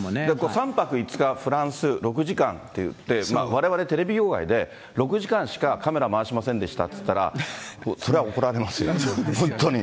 ３泊５日フランス６時間っていって、われわれテレビ業界で６時間しかカメラ回しませんでしたっていったら、そりゃ怒られますよ、本当に。